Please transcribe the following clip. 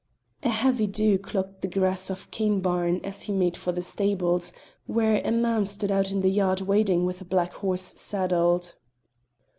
A heavy dew clogged the grass of Cairnbaan as he made for the stables, where a man stood out in the yard waiting with a black horse saddled.